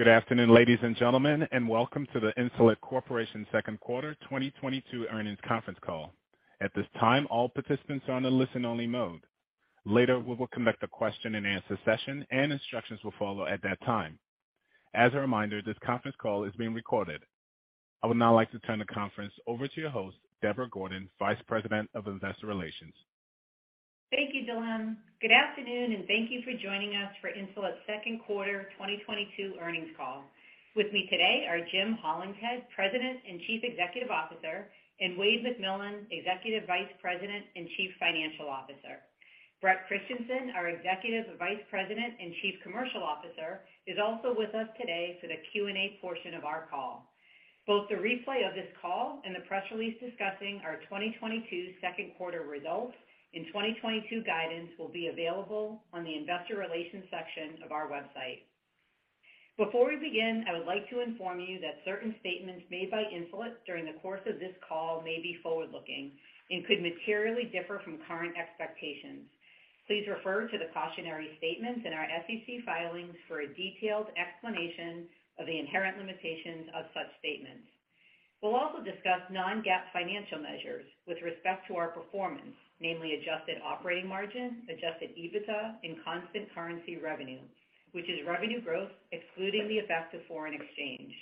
Good afternoon, ladies and gentlemen, and welcome to the Insulet Corporation second quarter 2022 earnings conference call. At this time, all participants are on a listen-only mode. Later, we will conduct a question-and-answer session and instructions will follow at that time. As a reminder, this conference call is being recorded. I would now like to turn the conference over to your host, Deborah Gordon, Vice President of Investor Relations. Thank you, Danielle. Good afternoon, and thank you for joining us for Insulet's second quarter 2022 earnings call. With me today are Jim Hollingshead, President and Chief Executive Officer, and Wayde McMillan, Executive Vice President and Chief Financial Officer. Bret Christensen, our Executive Vice President and Chief Commercial Officer, is also with us today for the Q&A portion of our call. Both the replay of this call and the press release discussing our 2022 second quarter results and 2022 guidance will be available on the investor relations section of our website. Before we begin, I would like to inform you that certain statements made by Insulet during the course of this call may be forward-looking and could materially differ from current expectations. Please refer to the cautionary statements in our SEC filings for a detailed explanation of the inherent limitations of such statements. We'll also discuss non-GAAP financial measures with respect to our performance, namely adjusted operating margin, adjusted EBITDA, and constant currency revenue, which is revenue growth excluding the effect of foreign exchange.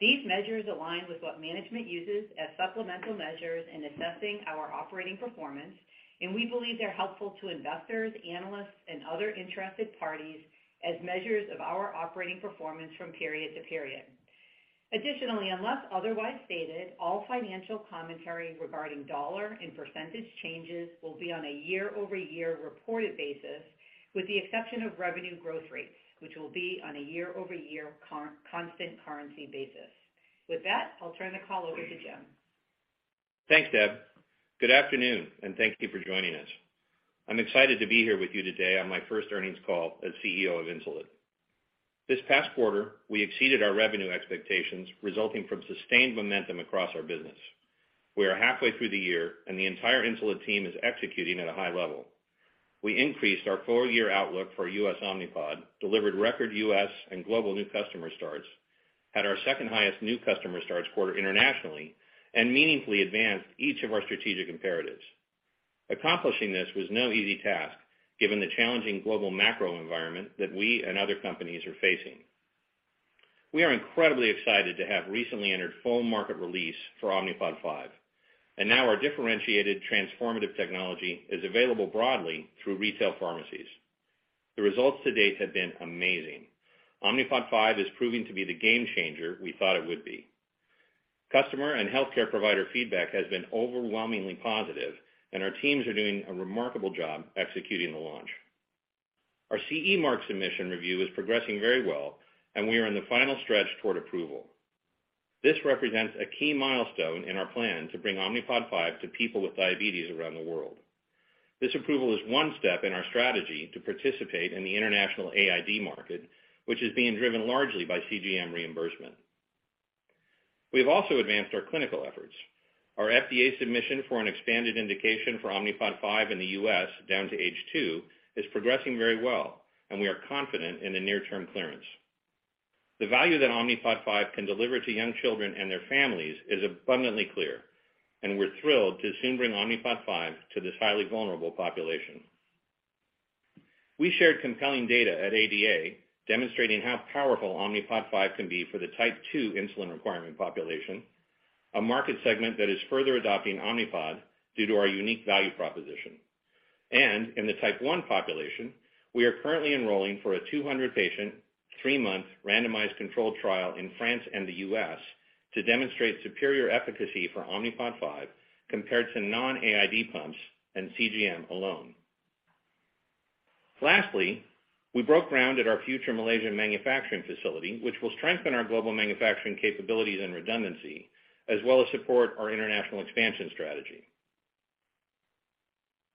These measures align with what management uses as supplemental measures in assessing our operating performance, and we believe they're helpful to investors, analysts, and other interested parties as measures of our operating performance from period to period. Additionally, unless otherwise stated, all financial commentary regarding dollar and percentage changes will be on a year-over-year reported basis, with the exception of revenue growth rates, which will be on a year-over-year constant currency basis. With that, I'll turn the call over to Jim. Thanks, Deb. Good afternoon, and thank you for joining us. I'm excited to be here with you today on my first earnings call as CEO of Insulet. This past quarter, we exceeded our revenue expectations resulting from sustained momentum across our business. We are halfway through the year and the entire Insulet team is executing at a high level. We increased our full-year outlook for U.S. Omnipod, delivered record U.S. and global new customer starts, had our second-highest new customer starts quarter internationally, and meaningfully advanced each of our strategic imperatives. Accomplishing this was no easy task, given the challenging global macro environment that we and other companies are facing. We are incredibly excited to have recently entered full market release for Omnipod 5, and now our differentiated transformative technology is available broadly through retail pharmacies. The results to date have been amazing. Omnipod 5 is proving to be the game changer we thought it would be. Customer and healthcare provider feedback has been overwhelmingly positive and our teams are doing a remarkable job executing the launch. Our CE mark submission review is progressing very well and we are in the final stretch toward approval. This represents a key milestone in our plan to bring Omnipod 5 to people with diabetes around the world. This approval is one step in our strategy to participate in the international AID market, which is being driven largely by CGM reimbursement. We have also advanced our clinical efforts. Our FDA submission for an expanded indication for Omnipod 5 in the U.S. down to age two is progressing very well, and we are confident in the near-term clearance. The value that Omnipod 5 can deliver to young children and their families is abundantly clear, and we're thrilled to soon bring Omnipod 5 to this highly vulnerable population. We shared compelling data at ADA demonstrating how powerful Omnipod 5 can be for the type 2 insulin requirement population, a market segment that is further adopting Omnipod due to our unique value proposition. In the type 1 population, we are currently enrolling for a 200-patient, three-month randomized controlled trial in France and the U.S. to demonstrate superior efficacy for Omnipod 5 compared to non-AID pumps and CGM alone. Lastly, we broke ground at our future Malaysian manufacturing facility which will strengthen our global manufacturing capabilities and redundancy, as well as support our international expansion strategy.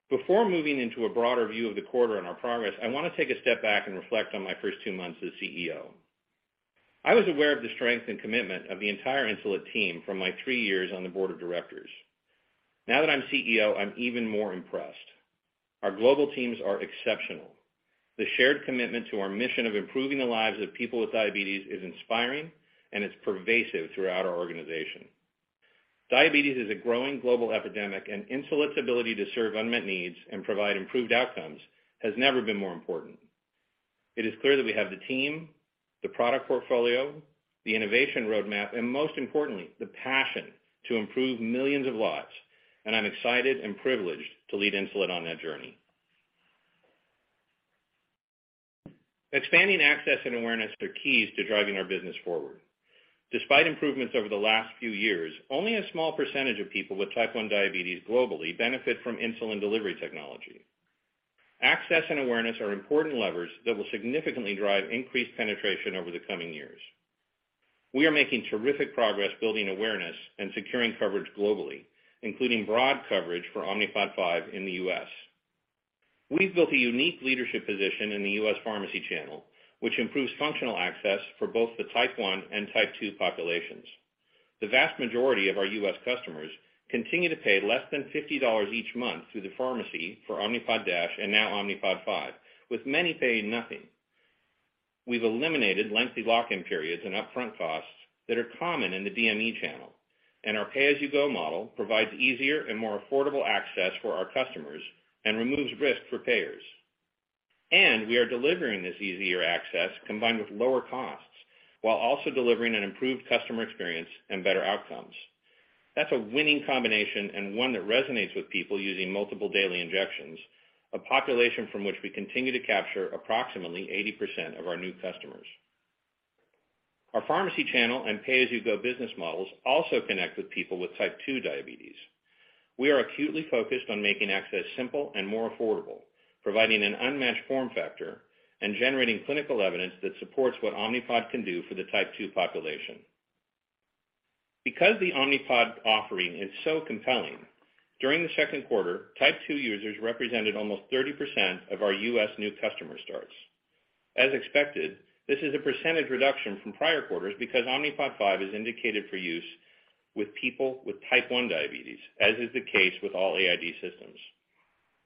Before moving into a broader view of the quarter and our progress, I wanna take a step back and reflect on my first two months as CEO. I was aware of the strength and commitment of the entire Insulet team from my three years on the board of directors. Now that I'm CEO, I'm even more impressed. Our global teams are exceptional. The shared commitment to our mission of improving the lives of people with diabetes is inspiring and it's pervasive throughout our organization. Diabetes is a growing global epidemic, and Insulet's ability to serve unmet needs and provide improved outcomes has never been more important. It is clear that we have the team, the product portfolio, the innovation roadmap, and most importantly, the passion to improve millions of lives and I'm excited and privileged to lead Insulet on that journey. Expanding access and awareness are keys to driving our business forward. Despite improvements over the last few years, only a small percentage of people with type 1 diabetes globally benefit from insulin delivery technology. Access and awareness are important levers that will significantly drive increased penetration over the coming years. We are making terrific progress building awareness and securing coverage globally, including broad coverage for Omnipod 5 in the U.S. We've built a unique leadership position in the U.S. pharmacy channel, which improves functional access for both the type 1 and type 2 populations. The vast majority of our U.S. customers continue to pay less than $50 each month through the pharmacy for Omnipod DASH and now Omnipod 5, with many paying nothing. We've eliminated lengthy lock-in periods and upfront costs that are common in the DME channel, and our pay-as-you-go model provides easier and more affordable access for our customers and removes risk for payers. We are delivering this easier access combined with lower costs while also delivering an improved customer experience and better outcomes. That's a winning combination and one that resonates with people using multiple daily injections, a population from which we continue to capture approximately 80% of our new customers. Our pharmacy channel and pay-as-you-go business models also connect with people with type 2 diabetes. We are acutely focused on making access simple and more affordable, providing an unmatched form factor and generating clinical evidence that supports what Omnipod can do for the type 2 population. Because the Omnipod offering is so compelling, during the second quarter, type 2 users represented almost 30% of our U.S. new customer starts. As expected, this is a percentage reduction from prior quarters because Omnipod 5 is indicated for use with people with type 1 diabetes, as is the case with all AID systems.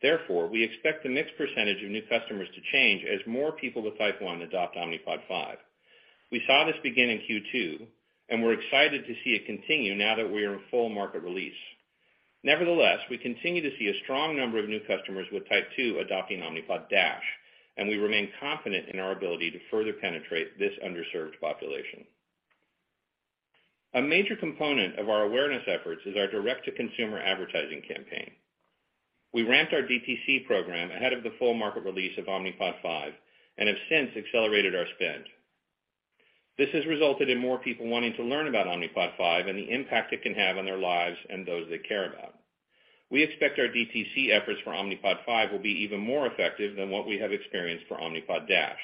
Therefore, we expect the mix percentage of new customers to change as more people with type 1 adopt Omnipod 5. We saw this begin in Q2, and we're excited to see it continue now that we are in full market release. Nevertheless, we continue to see a strong number of new customers with type 2 adopting Omnipod DASH, and we remain confident in our ability to further penetrate this underserved population. A major component of our awareness efforts is our direct-to-consumer advertising campaign. We ramped our DTC program ahead of the full market release of Omnipod 5 and have since accelerated our spend. This has resulted in more people wanting to learn about Omnipod 5 and the impact it can have on their lives and those they care about. We expect our DTC efforts for Omnipod 5 will be even more effective than what we have experienced for Omnipod DASH.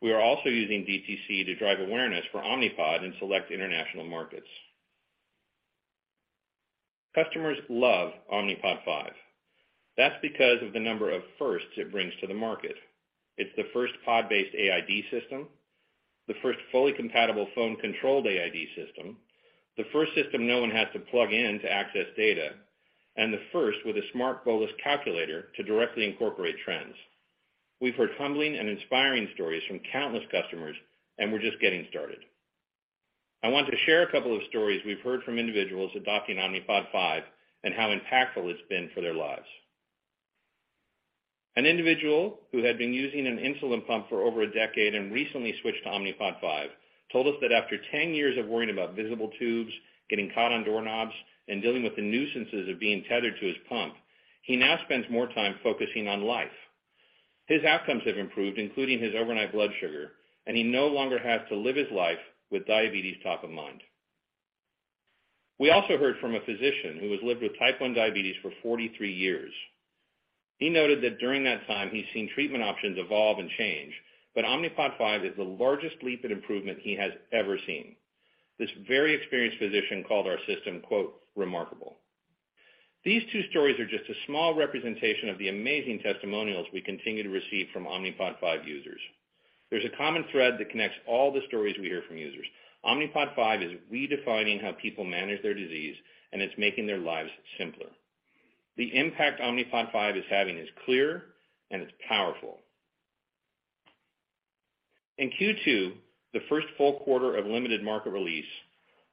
We are also using DTC to drive awareness for Omnipod in select international markets. Customers love Omnipod 5. That's because of the number of firsts it brings to the market. It's the first pod-based AID system, the first fully compatible phone-controlled AID system, the first system no one has to plug in to access data, and the first with a smart bolus calculator to directly incorporate trends. We've heard humbling and inspiring stories from countless customers, and we're just getting started. I want to share a couple of stories we've heard from individuals adopting Omnipod 5 and how impactful it's been for their lives. An individual who had been using an insulin pump for over a decade and recently switched to Omnipod 5 told us that after 10 years of worrying about visible tubes, getting caught on doorknobs, and dealing with the nuisances of being tethered to his pump, he now spends more time focusing on life. His outcomes have improved, including his overnight blood sugar, and he no longer has to live his life with diabetes top of mind. We also heard from a physician who has lived with type 1 diabetes for 43 years. He noted that during that time, he's seen treatment options evolve and change, but Omnipod 5 is the largest leap in improvement he has ever seen. This very experienced physician called our system "remarkable. These two stories are just a small representation of the amazing testimonials we continue to receive from Omnipod 5 users. There's a common thread that connects all the stories we hear from users. Omnipod 5 is redefining how people manage their disease, and it's making their lives simpler. The impact Omnipod 5 is having is clear, and it's powerful. In Q2, the first full quarter of limited market release,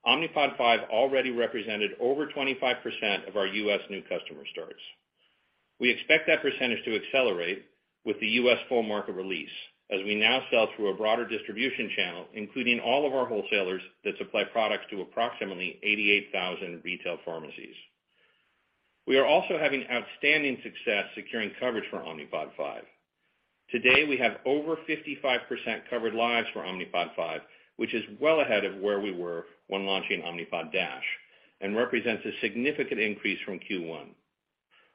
Omnipod 5 already represented over 25% of our U.S. new customer starts. We expect that percentage to accelerate with the U.S. full market release as we now sell through a broader distribution channel, including all of our wholesalers that supply products to approximately 88,000 retail pharmacies. We are also having outstanding success securing coverage for Omnipod 5. Today, we have over 55% covered lives for Omnipod 5, which is well ahead of where we were when launching Omnipod DASH and represents a significant increase from Q1.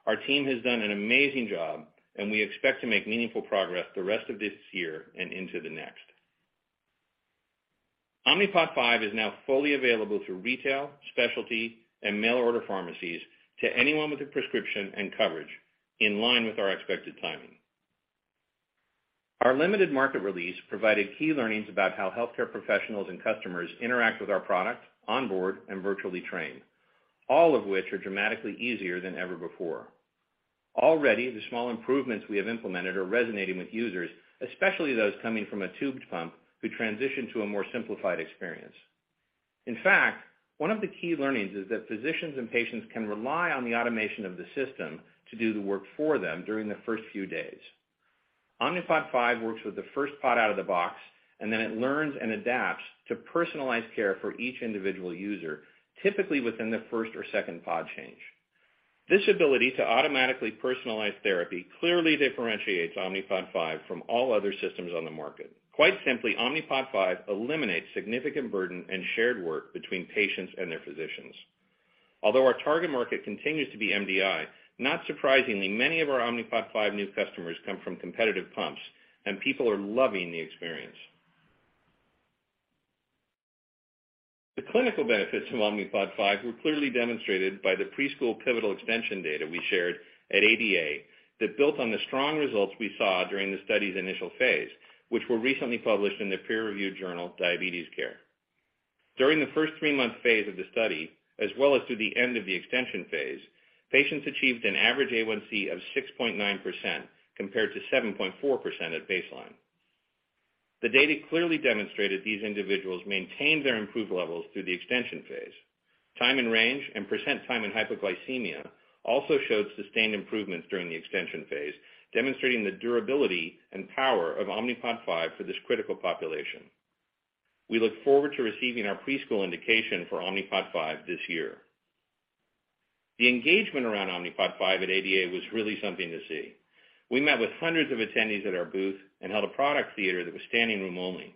Our team has done an amazing job, and we expect to make meaningful progress the rest of this year and into the next. Omnipod 5 is now fully available through retail, specialty, and mail-order pharmacies to anyone with a prescription and coverage in line with our expected timing. Our limited market release provided key learnings about how healthcare professionals and customers interact with our product, onboard, and virtually train, all of which are dramatically easier than ever before. Already, the small improvements we have implemented are resonating with users, especially those coming from a tubed pump who transition to a more simplified experience. In fact, one of the key learnings is that physicians and patients can rely on the automation of the system to do the work for them during the first few days. Omnipod 5 works with the first pod out of the box, and then it learns and adapts to personalized care for each individual user, typically within the first or second pod change. This ability to automatically personalize therapy clearly differentiates Omnipod 5 from all other systems on the market. Quite simply, Omnipod 5 eliminates significant burden and shared work between patients and their physicians. Although our target market continues to be MDI, not surprisingly, many of our Omnipod 5 new customers come from competitive pumps, and people are loving the experience. The clinical benefits of Omnipod 5 were clearly demonstrated by the preschool pivotal extension data we shared at ADA that built on the strong results we saw during the study's initial phase, which were recently published in the peer-reviewed journal, Diabetes Care. During the first three-month phase of the study, as well as through the end of the extension phase, patients achieved an average A1C of 6.9%, compared to 7.4% at baseline. The data clearly demonstrated these individuals maintained their improved levels through the extension phase. Time in range and percent time in hypoglycemia also showed sustained improvements during the extension phase, demonstrating the durability and power of Omnipod five for this critical population. We look forward to receiving our preschool indication for Omnipod 5 this year. The engagement around Omnipod 5 at ADA was really something to see. We met with hundreds of attendees at our booth and held a product theater that was standing room only.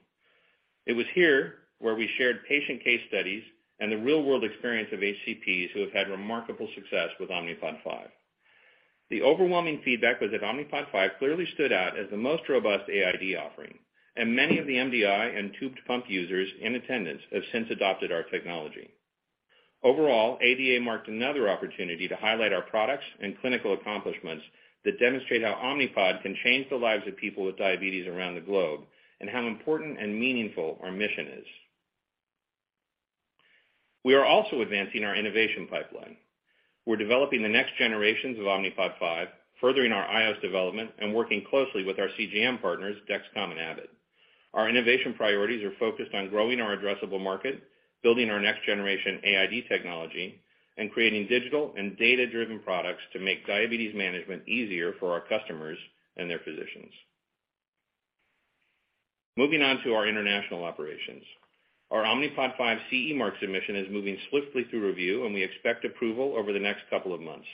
It was here where we shared patient case studies and the real-world experience of HCPs who have had remarkable success with Omnipod 5. The overwhelming feedback was that Omnipod 5 clearly stood out as the most robust AID offering, and many of the MDI and tubed pump users in attendance have since adopted our technology. Overall, ADA marked another opportunity to highlight our products and clinical accomplishments that demonstrate how Omnipod can change the lives of people with diabetes around the globe and how important and meaningful our mission is. We are also advancing our innovation pipeline. We're developing the next generations of Omnipod 5, furthering our iOS development and working closely with our CGM partners, Dexcom and Abbott. Our innovation priorities are focused on growing our addressable market, building our next-generation AID technology, and creating digital and data-driven products to make diabetes management easier for our customers and their physicians. Moving on to our international operations. Our Omnipod 5 CE mark submission is moving swiftly through review, and we expect approval over the next couple of months.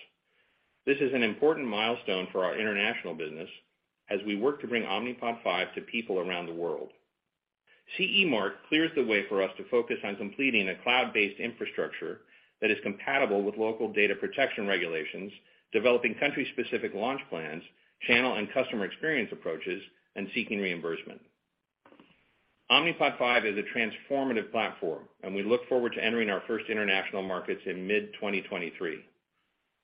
This is an important milestone for our international business as we work to bring Omnipod 5 to people around the world. CE mark clears the way for us to focus on completing a cloud-based infrastructure that is compatible with local data protection regulations, developing country-specific launch plans, channel and customer experience approaches, and seeking reimbursement. Omnipod 5 is a transformative platform, and we look forward to entering our first international markets in mid-2023.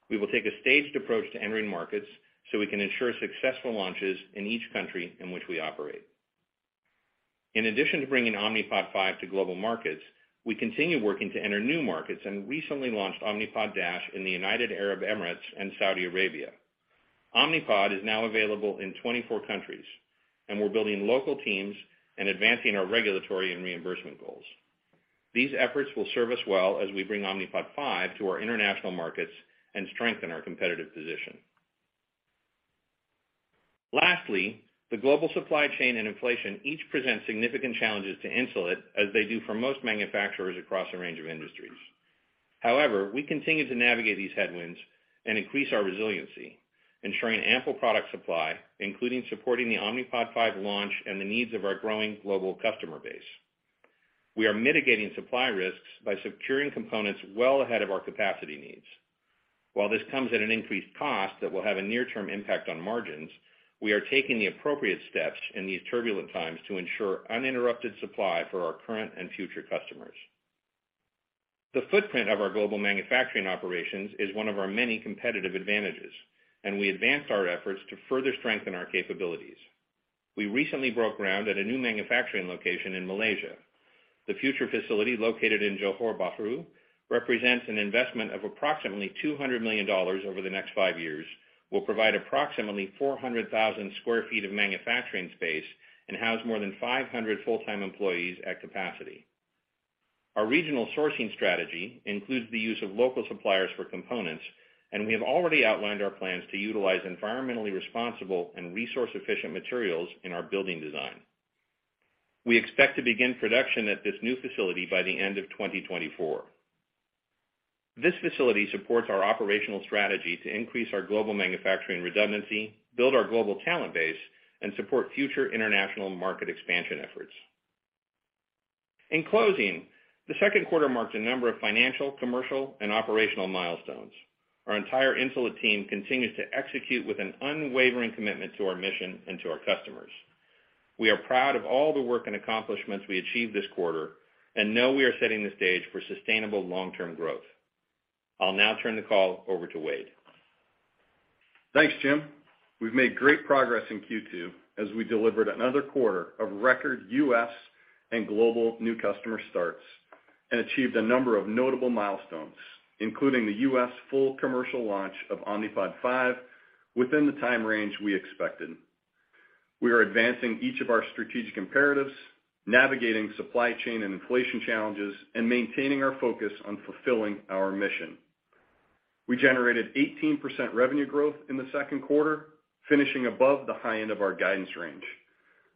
We will take a staged approach to entering markets so we can ensure successful launches in each country in which we operate. In addition to bringing Omnipod 5 to global markets, we continue working to enter new markets and recently launched Omnipod DASH in the United Arab Emirates and Saudi Arabia. Omnipod is now available in 24 countries, and we're building local teams and advancing our regulatory and reimbursement goals. These efforts will serve us well as we bring Omnipod 5 to our international markets and strengthen our competitive position. Lastly, the global supply chain and inflation each present significant challenges to Insulet as they do for most manufacturers across a range of industries. However, we continue to navigate these headwinds and increase our resiliency, ensuring ample product supply, including supporting the Omnipod 5 launch and the needs of our growing global customer base. We are mitigating supply risks by securing components well ahead of our capacity needs. While this comes at an increased cost that will have a near-term impact on margins, we are taking the appropriate steps in these turbulent times to ensure uninterrupted supply for our current and future customers. The footprint of our global manufacturing operations is one of our many competitive advantages, and we advanced our efforts to further strengthen our capabilities. We recently broke ground at a new manufacturing location in Malaysia. The future facility located in Johor Bahru represents an investment of approximately $200 million over the next five years, will provide approximately 400,000 sq ft of manufacturing space and house more than 500 full-time employees at capacity. Our regional sourcing strategy includes the use of local suppliers for components, and we have already outlined our plans to utilize environmentally responsible and resource-efficient materials in our building design. We expect to begin production at this new facility by the end of 2024. This facility supports our operational strategy to increase our global manufacturing redundancy, build our global talent base, and support future international market expansion efforts. In closing, the second quarter marks a number of financial, commercial and operational milestones. Our entire Insulet team continues to execute with an unwavering commitment to our mission and to our customers. We are proud of all the work and accomplishments we achieved this quarter and know we are setting the stage for sustainable long-term growth. I'll now turn the call over to Wayde. Thanks, Jim. We've made great progress in Q2 as we delivered another quarter of record U.S. and global new customer starts and achieved a number of notable milestones, including the U.S. full commercial launch of Omnipod 5 within the time range we expected. We are advancing each of our strategic imperatives, navigating supply chain and inflation challenges, and maintaining our focus on fulfilling our mission. We generated 18% revenue growth in the second quarter, finishing above the high end of our guidance range.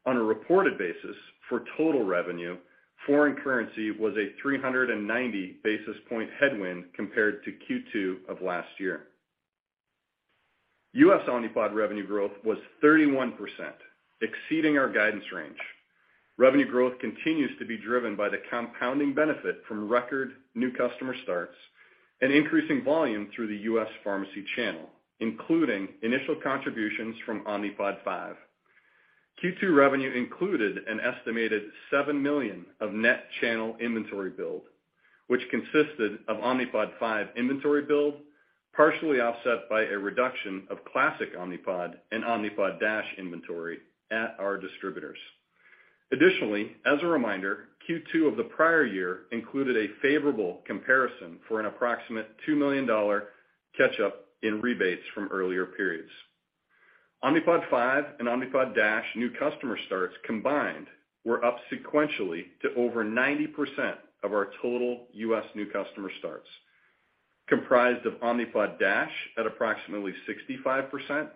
On a reported basis for total revenue, foreign currency was a 390 basis point headwind compared to Q2 of last year. U.S. Omnipod revenue growth was 31%, exceeding our guidance range. Revenue growth continues to be driven by the compounding benefit from record new customer starts and increasing volume through the U.S. pharmacy channel, including initial contributions from Omnipod 5. Q2 revenue included an estimated $7 million of net channel inventory builds, which consisted of Omnipod 5 inventory build, partially offset by a reduction of Classic Omnipod and Omnipod DASH inventory at our distributors. Additionally, as a reminder, Q2 of the prior year included a favorable comparison for an approximate $2 million catch up in rebates from earlier periods. Omnipod 5 and Omnipod DASH new customer starts combined were up sequentially to over 90% of our total U.S. new customer starts, comprised of Omnipod DASH at approximately 65%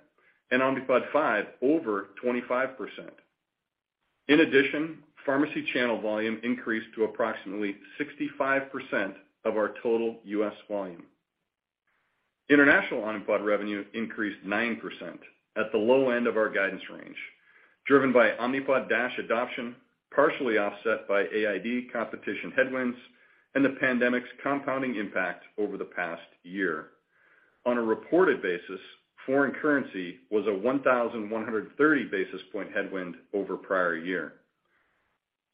and Omnipod 5 over 25%. In addition, pharmacy channel volume increased to approximately 65% of our total U.S. volume. International Omnipod revenue increased 9% at the low end of our guidance range, driven by Omnipod DASH adoption, partially offset by AID competition headwinds and the pandemic's compounding impact over the past year. On a reported basis, foreign currency was a 1,130 basis point headwind over prior year.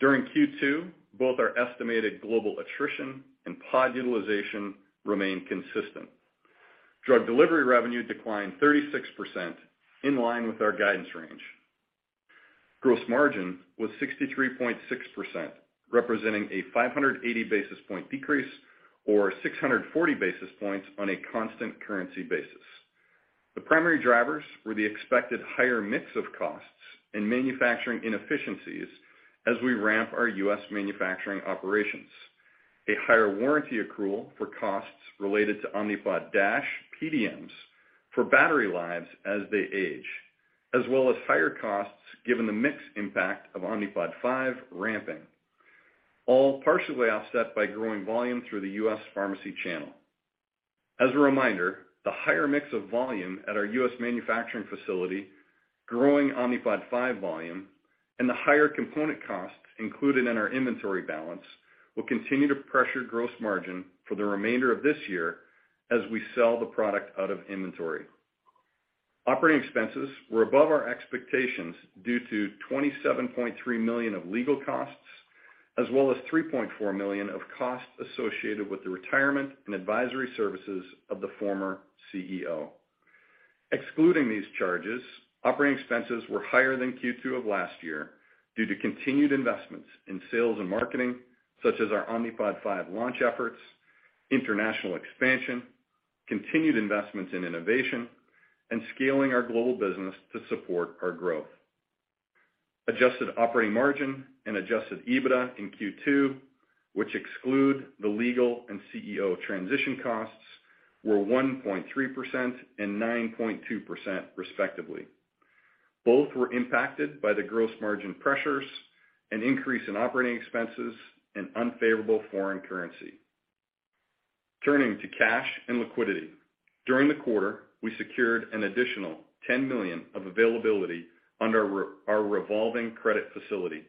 During Q2, both our estimated global attrition and pod utilization remained consistent. Drug delivery revenue declined 36% in line with our guidance range. Gross margin was 63.6%, representing a 580 basis point decrease, or 640 basis points on a constant currency basis. The primary drivers were the expected higher mix of costs and manufacturing inefficiencies as we ramp our U.S. manufacturing operations, a higher warranty accrual for costs related to Omnipod DASH PDMs for battery lives as they age, as well as higher costs given the mix impact of Omnipod 5 ramping, all partially offset by growing volume through the U.S. pharmacy channel. As a reminder, the higher mix of volume at our U.S. manufacturing facility, growing Omnipod 5 volume, and the higher component costs included in our inventory balance will continue to pressure gross margin for the remainder of this year as we sell the product out of inventory. Operating expenses were above our expectations due to $27.3 million of legal costs as well as $3.4 million of costs associated with the retirement and advisory services of the former CEO. Excluding these charges, operating expenses were higher than Q2 of last year due to continued investments in sales and marketing, such as our Omnipod 5 launch efforts, international expansion, continued investments in innovation, and scaling our global business to support our growth. Adjusted operating margin and adjusted EBITDA in Q2, which exclude the legal and CEO transition costs, were 1.3% and 9.2% respectively. Both were impacted by the gross margin pressures, an increase in operating expenses and unfavorable foreign currency. Turning to cash and liquidity. During the quarter, we secured an additional $10 million of availability under our revolving credit facility.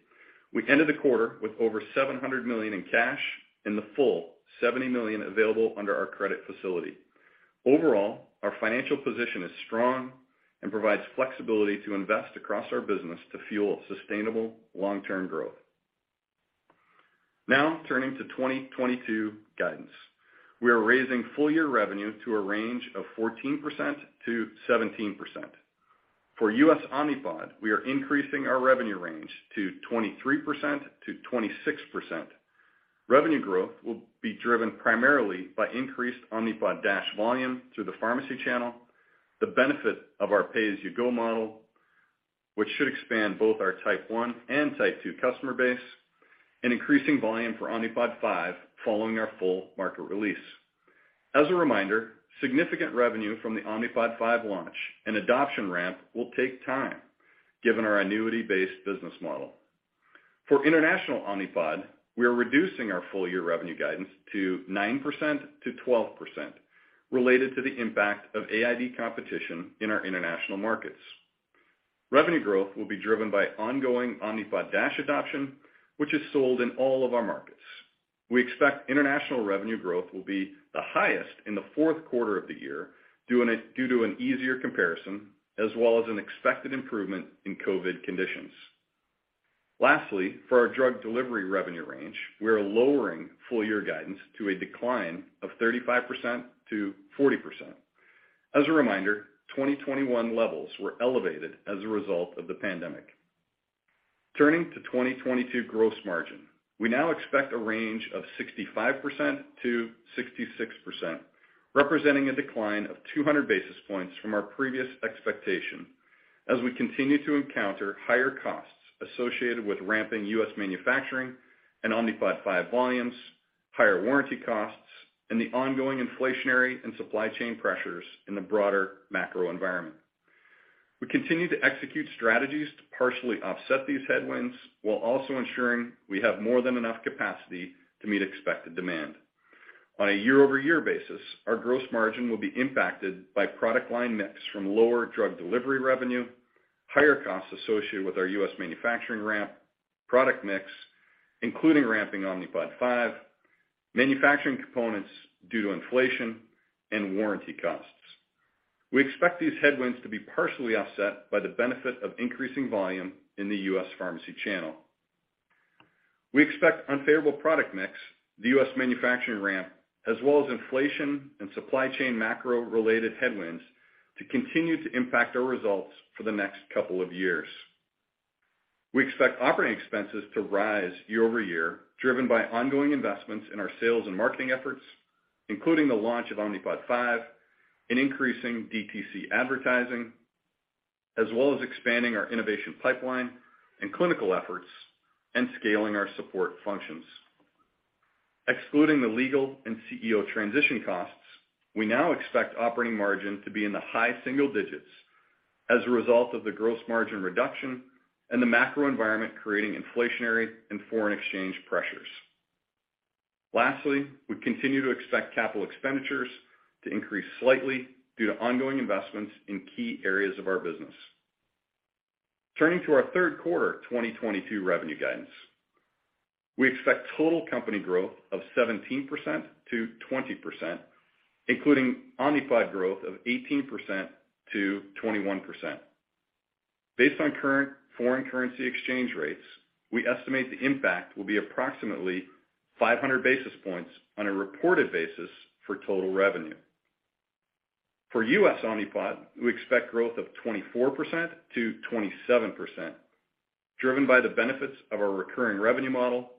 We ended the quarter with over $700 million in cash and the full $70 million available under our credit facility. Overall, our financial position is strong and provides flexibility to invest across our business to fuel sustainable long-term growth. Now, turning to 2022 guidance. We are raising full year revenue to a range of 14%-17%. For US Omnipod, we are increasing our revenue range to 23%-26%. Revenue growth will be driven primarily by increased Omnipod DASH volume through the pharmacy channel, the benefit of our pay-as-you-go model, which should expand both our type 1 and type 2 customer base, and increasing volume for Omnipod 5 following our full market release. As a reminder, significant revenue from the Omnipod 5 launch and adoption ramp will take time given our annuity-based business model. For international Omnipod, we are reducing our full year revenue guidance to 9%-12% related to the impact of AID competition in our international markets. Revenue growth will be driven by ongoing Omnipod DASH adoption, which is sold in all of our markets. We expect international revenue growth will be the highest in the fourth quarter of the year due to an easier comparison as well as an expected improvement in COVID conditions. Lastly, for our drug delivery revenue range, we are lowering full year guidance to a decline of 35%-40%. As a reminder, 2021 levels were elevated as a result of the pandemic. Turning to 2022 gross margin. We now expect a range of 65%-66%, representing a decline of 200 basis points from our previous expectation as we continue to encounter higher costs associated with ramping U.S. manufacturing and Omnipod 5 volumes, higher warranty costs, and the ongoing inflationary and supply chain pressures in the broader macro environment. We continue to execute strategies to partially offset these headwinds while also ensuring we have more than enough capacity to meet expected demand. On a year-over-year basis, our gross margin will be impacted by product line mix from lower drug delivery revenue, higher costs associated with our U.S. manufacturing ramp, product mix, including ramping Omnipod 5, manufacturing components due to inflation and warranty costs. We expect these headwinds to be partially offset by the benefit of increasing volume in the U.S. pharmacy channel. We expect unfavorable product mix, the U.S. manufacturing ramp, as well as inflation and supply chain macro-related headwinds to continue to impact our results for the next couple of years. We expect operating expenses to rise year-over-year, driven by ongoing investments in our sales and marketing efforts, including the launch of Omnipod 5 and increasing DTC advertising, as well as expanding our innovation pipeline and clinical efforts and scaling our support functions. Excluding the legal and CEO transition costs, we now expect operating margin to be in the high single digits as a result of the gross margin reduction and the macro environment creating inflationary and foreign exchange pressures. Lastly, we continue to expect capital expenditures to increase slightly due to ongoing investments in key areas of our business. Turning to our third quarter 2022 revenue guidance. We expect total company growth of 17%-20%, including Omnipod growth of 18%-21%. Based on current foreign currency exchange rates, we estimate the impact will be approximately 500 basis points on a reported basis for total revenue. For U.S. Omnipod, we expect growth of 24%-27%, driven by the benefits of our recurring revenue model,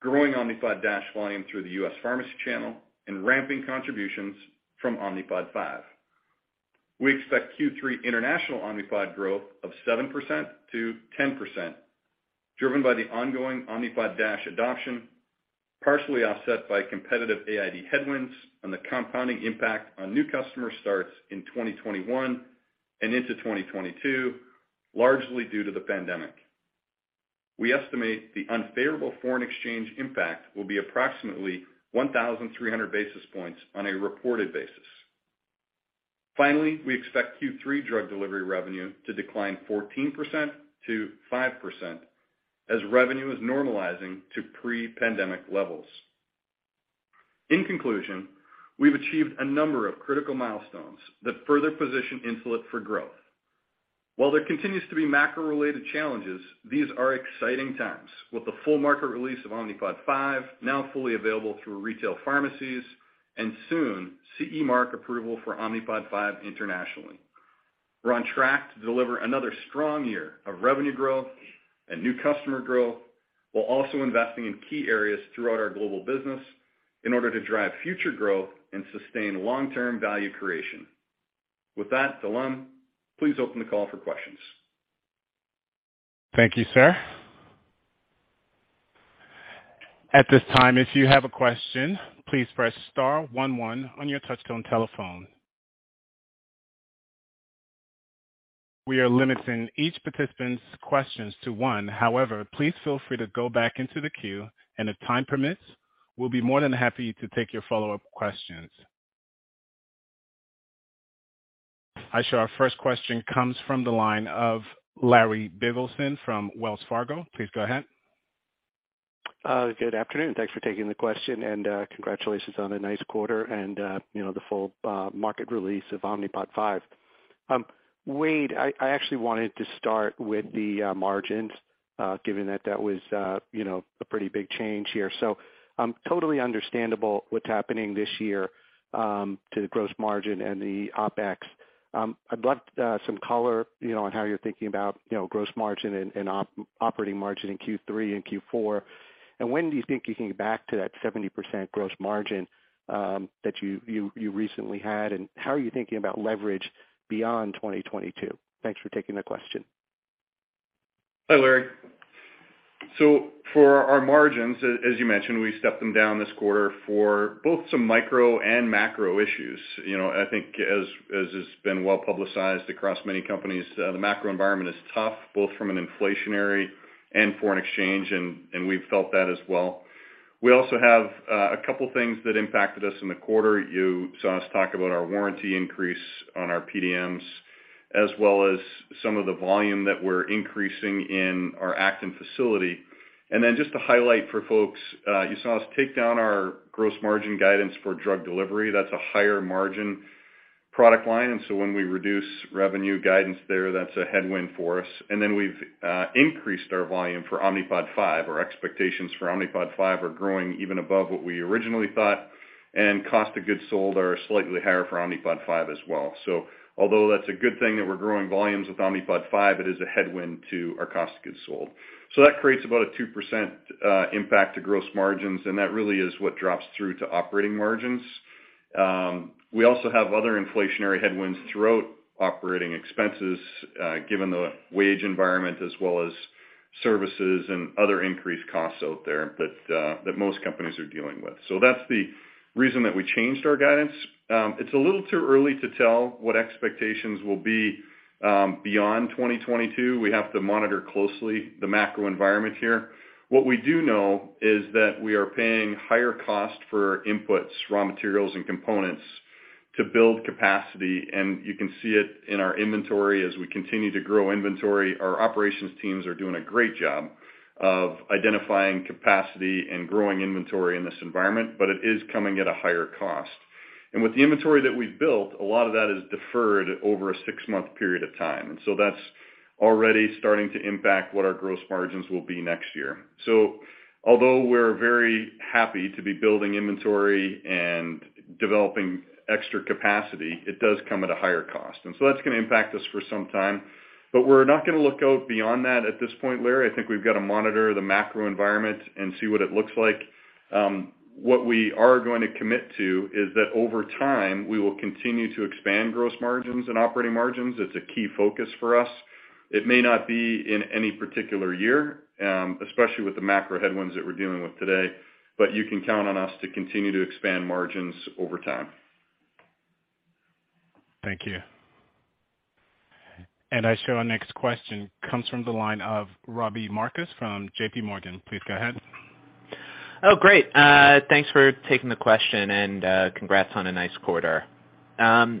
growing Omnipod DASH volume through the U.S. pharmacy channel, and ramping contributions from Omnipod 5. We expect Q3 international Omnipod growth of 7%-10%, driven by the ongoing Omnipod DASH adoption, partially offset by competitive AID headwinds and the compounding impact on new customer starts in 2021 and into 2022, largely due to the pandemic. We estimate the unfavorable foreign exchange impact will be approximately 1,300 basis points on a reported basis. Finally, we expect Q3 drug delivery revenue to decline 14%-5% as revenue is normalizing to pre-pandemic levels. In conclusion, we've achieved a number of critical milestones that further position Insulet for growth. While there continues to be macro-related challenges, these are exciting times with the full market release of Omnipod 5 now fully available through retail pharmacies and soon CE mark approval for Omnipod 5 internationally. We're on track to deliver another strong year of revenue growth and new customer growth while also investing in key areas throughout our global business in order to drive future growth and sustain long-term value creation. With that, Delon, please open the call for questions. Thank you, sir. At this time, if you have a question, please press star one one on your touchtone telephone. We are limiting each participant's questions to one. However, please feel free to go back into the queue, and if time permits, we'll be more than happy to take your follow-up questions. Aisha, our first question comes from the line of Larry Biegelsen from Wells Fargo. Please go ahead. Good afternoon. Thanks for taking the question, and congratulations on a nice quarter and, you know, the full market release of Omnipod 5. Wade, I actually wanted to start with the margins, given that that was, you know, a pretty big change here. Totally understandable what's happening this year to the gross margin and the OpEx. I'd love some color, you know, on how you're thinking about, you know, gross margin and operating margin in Q3 and Q4. When do you think you can get back to that 70% gross margin that you recently had? How are you thinking about leverage beyond 2022? Thanks for taking the question. Hi, Larry. For our margins, as you mentioned, we stepped them down this quarter for both some micro and macro issues. You know, I think as has been well-publicized across many companies, the macro environment is tough, both from an inflationary and foreign exchange, and we've felt that as well. We also have a couple things that impacted us in the quarter. You saw us talk about our warranty increase on our PDMs, as well as some of the volume that we're increasing in our Acton facility. Then just to highlight for folks, you saw us take down our gross margin guidance for drug delivery. That's a higher margin product line. When we reduce revenue guidance there, that's a headwind for us. Then we've increased our volume for Omnipod 5. Our expectations for Omnipod 5 are growing even above what we originally thought, and cost of goods sold are slightly higher for Omnipod 5 as well. Although that's a good thing that we're growing volumes with Omnipod 5, it is a headwind to our cost of goods sold. That creates about a 2% impact to gross margins, and that really is what drops through to operating margins. We also have other inflationary headwinds throughout operating expenses, given the wage environment as well as services and other increased costs out there that most companies are dealing with. That's the reason that we changed our guidance. It's a little too early to tell what expectations will be, beyond 2022. We have to monitor closely the macro environment here. What we do know is that we are paying higher cost for inputs, raw materials, and components to build capacity, and you can see it in our inventory. As we continue to grow inventory, our operations teams are doing a great job of identifying capacity and growing inventory in this environment, but it is coming at a higher cost. With the inventory that we've built, a lot of that is deferred over a six-month period of time. That's already starting to impact what our gross margins will be next year. Although we're very happy to be building inventory and developing extra capacity, it does come at a higher cost. That's gonna impact us for some time. We're not gonna look out beyond that at this point, Larry. I think we've got to monitor the macro environment and see what it looks like. What we are going to commit to is that over time, we will continue to expand gross margins and operating margins. It's a key focus for us. It may not be in any particular year, especially with the macro headwinds that we're dealing with today, but you can count on us to continue to expand margins over time. Thank you. Our next question comes from the line of Robbie Marcus from JPMorgan. Please go ahead. Oh, great. Thanks for taking the question, and congrats on a nice quarter. As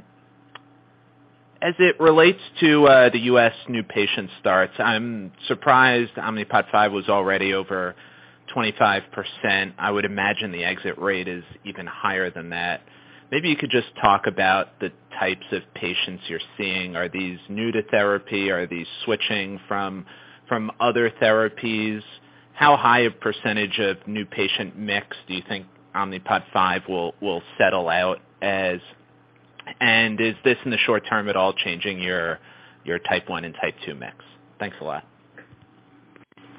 it relates to the U.S. new patient starts, I'm surprised Omnipod 5 was already over 25%. I would imagine the exit rate is even higher than that. Maybe you could just talk about the types of patients you're seeing. Are these new to therapy? Are these switching from other therapies? How high a percentage of new patient mix do you think Omnipod 5 will settle out as? Is this in the short term at all changing your type one and type two mix? Thanks a lot.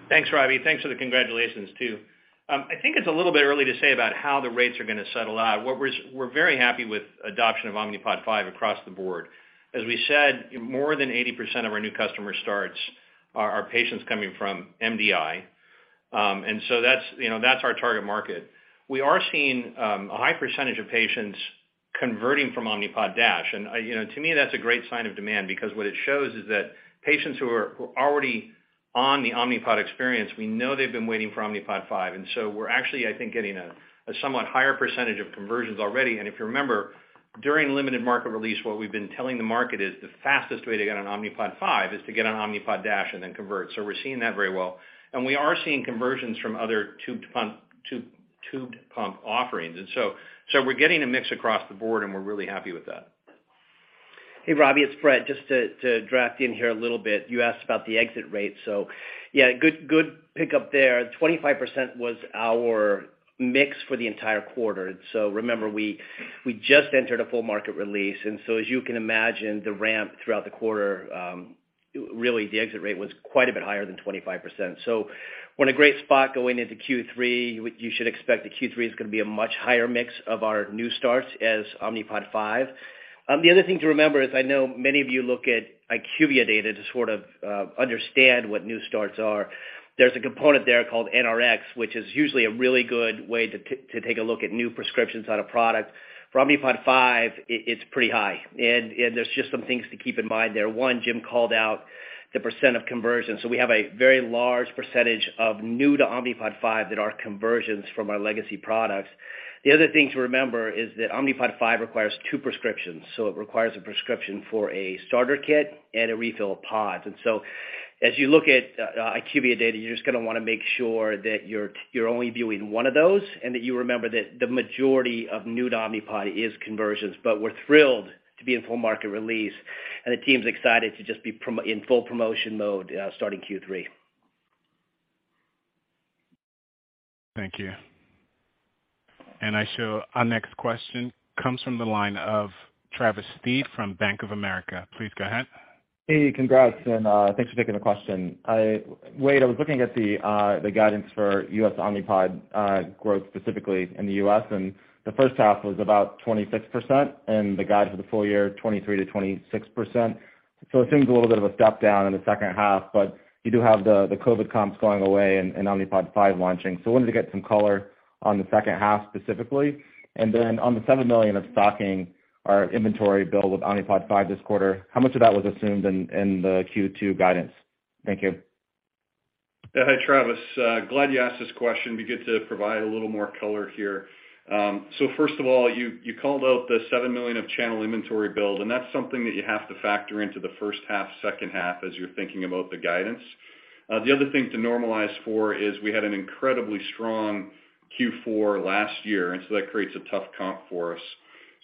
Thanks, Robbie. Thanks for the congratulations, too. I think it's a little bit early to say about how the rates are gonna settle out. We're very happy with adoption of Omnipod 5 across the board. As we said, more than 80% of our new customer starts are patients coming from MDI. That's, you know, our target market. We are seeing a high percentage of patients converting from Omnipod DASH. To me, that's a great sign of demand because what it shows is that patients who are already on the Omnipod experience, we know they've been waiting for Omnipod 5, and so we're actually, I think, getting a somewhat higher percentage of conversions already. If you remember, during limited market release, what we've been telling the market is the fastest way to get an Omnipod 5 is to get an Omnipod DASH and then convert. We're seeing that very well. We are seeing conversions from other tubed pump offerings. We're getting a mix across the board, and we're really happy with that. Hey, Robbie, it's Bret. Just to jump in here a little bit. You asked about the exit rate. Yeah, good pick-up there. 25% was our mix for the entire quarter. Remember, we just entered a full market release. As you can imagine, the ramp throughout the quarter, really the exit rate was quite a bit higher than 25%. We're in a great spot going into Q3. You should expect Q3 is gonna be a much higher mix of our new starts as Omnipod 5. The other thing to remember is I know many of you look at IQVIA data to sort of understand what new starts are. There's a component there called NRX, which is usually a really good way to take a look at new prescriptions on a product. For Omnipod 5, it's pretty high, and there's just some things to keep in mind there. One, Jim called out the percent of conversions. We have a very large percentage of new to Omnipod 5 that are conversions from our legacy products. The other thing to remember is that Omnipod 5 requires two prescriptions. It requires a prescription for a starter kit and a refill pod. As you look at IQVIA data, you're just gonna wanna make sure that you're only viewing one of those and that you remember that the majority of new to Omnipod is conversions. We're thrilled to be in full market release, and the team's excited to just be in full promotion mode starting Q3. Thank you. I show our next question comes from the line of Travis Steed from Bank of America. Please go ahead. Hey, congrats, and thanks for taking the question. Wayde, I was looking at the guidance for US Omnipod growth, specifically in the U.S., and the first half was about 26%, and the guide for the full year, 23%-26%. It seems a little bit of a step down in the second half, but you do have the COVID comps going away and Omnipod 5 launching. I wanted to get some color on the second half specifically. Then on the $7 million of stocking or inventory build with Omnipod 5 this quarter, how much of that was assumed in the Q2 guidance? Thank you. Yeah. Hi, Travis. Glad you asked this question. We get to provide a little more color here. First of all, you called out the $7 million of channel inventory build, and that's something that you have to factor into the first half, second half as you're thinking about the guidance. The other thing to normalize for is we had an incredibly strong Q4 last year, and so that creates a tough comp for us.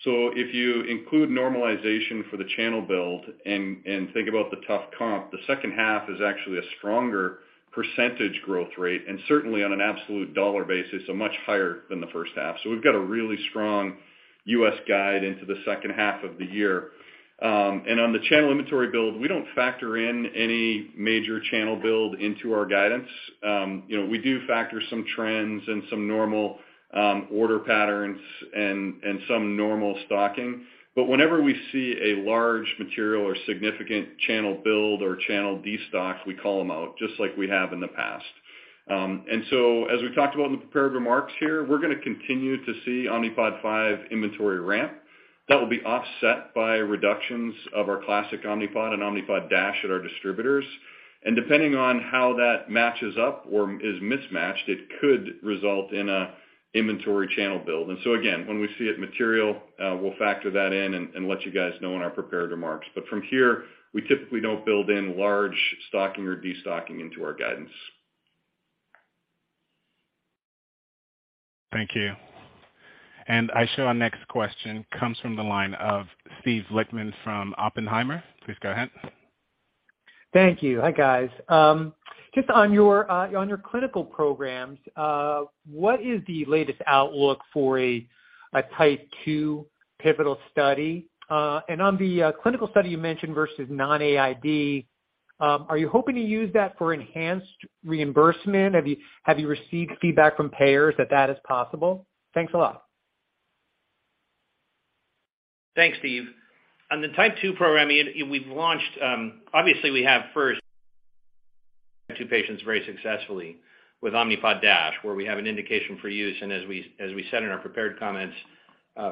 If you include normalization for the channel build and think about the tough comp, the second half is actually a stronger percentage growth rate, and certainly on an absolute dollar basis, so much higher than the first half. We've got a really strong U.S. guide into the second half of the year. On the channel inventory build, we don't factor in any major channel build into our guidance. You know, we do factor some trends and some normal order patterns and some normal stocking. But whenever we see a large material or significant channel build or channel destock, we call them out just like we have in the past. As we talked about in the prepared remarks here, we're gonna continue to see Omnipod 5 inventory ramp. That will be offset by reductions of our Omnipod Classic and Omnipod DASH at our distributors. Depending on how that matches up or is mismatched, it could result in a inventory channel build. Again, when we see it material, we'll factor that in and let you guys know in our prepared remarks. From here, we typically don't build in large stocking or destocking into our guidance. Thank you. I show our next question comes from the line of Steven Lichtman from Oppenheimer. Please go ahead. Thank you. Hi, guys. Just on your clinical programs, what is the latest outlook for a type 2 pivotal study? And on the clinical study you mentioned versus non-AID, are you hoping to use that for enhanced reimbursement? Have you received feedback from payers that that is possible? Thanks a lot. Thanks, Steve. On the type 2 program, we've launched, obviously we had our first two patients very successfully with Omnipod DASH, where we have an indication for use. As we said in our prepared comments,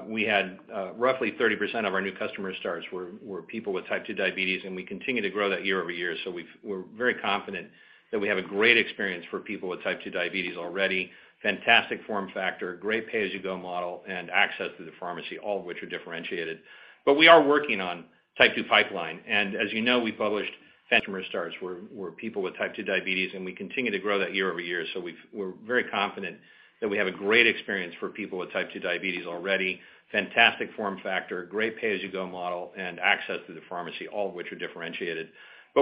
we had roughly 30% of our new customer starts were people with type 2 diabetes, and we continue to grow that year-over-year. We're very confident that we have a great experience for people with type 2 diabetes already. Fantastic form factor, great pay-as-you-go model, and access to the pharmacy, all which are differentiated. We are working on type 2 pipeline. As you know, we published customer starts were people with type 2 diabetes, and we continue to grow that year-over-year. We're very confident that we have a great experience for people with type 2 diabetes already. Fantastic form factor, great pay-as-you-go model, and access to the pharmacy, all which are differentiated.